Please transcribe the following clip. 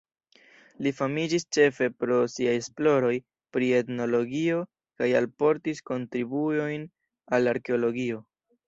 Li famiĝis ĉefe pro siaj esploroj pri etnologio kaj alportis kontribuojn al arkeologio.